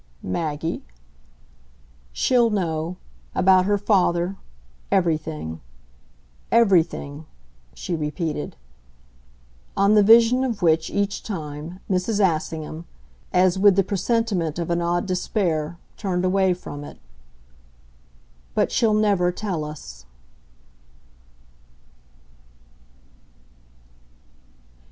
"Maggie ?" "SHE'LL know about her father; everything. Everything," she repeated. On the vision of which, each time, Mrs. Assingham, as with the presentiment of an odd despair, turned away from it. "But she'll never tell us."